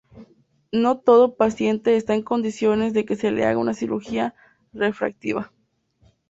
No todo paciente está en condiciones de que se le haga una cirugía refractiva.